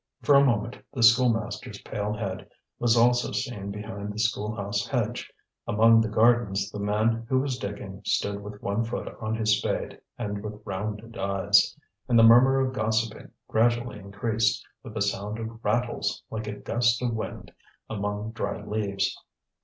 For a moment the schoolmaster's pale head was also seen behind the school house hedge. Among the gardens, the man who was digging stood with one foot on his spade, and with rounded eyes. And the murmur of gossiping gradually increased, with a sound of rattles, like a gust of wind among dry leaves.